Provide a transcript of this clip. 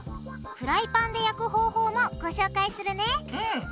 フライパンで焼く方法もご紹介するねうん。